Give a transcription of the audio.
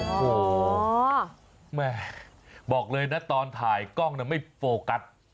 โอ้โหแม่บอกเลยนะตอนถ่ายกล้องไม่โฟกัส